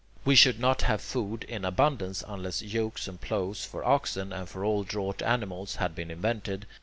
We should not have had food in abundance unless yokes and ploughs for oxen, and for all draught animals, had been invented.